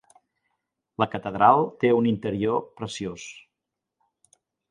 La catedral té un interior preciós.